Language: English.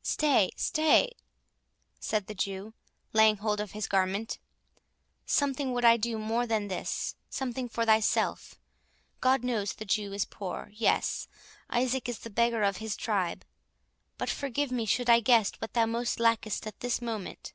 "Stay, stay," said the Jew, laying hold of his garment; "something would I do more than this, something for thyself.—God knows the Jew is poor—yes, Isaac is the beggar of his tribe—but forgive me should I guess what thou most lackest at this moment."